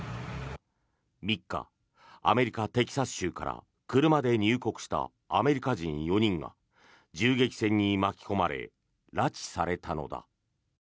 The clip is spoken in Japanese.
３日、アメリカ・テキサス州から車で入国したアメリカ人４人が銃撃戦に巻き込まれ拉致されたのだ。